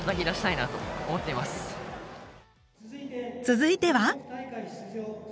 続いては。